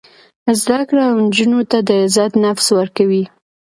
زده کړه نجونو ته د عزت نفس ورکوي.